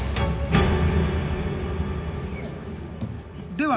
では